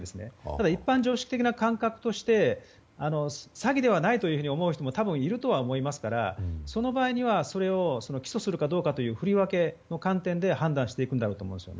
ただ、一般常識的な感覚として詐欺ではないというふうに思う人もいると思いますからその場合には、それを起訴するかどうかという振り分けの観点で判断していくんだろうと思います。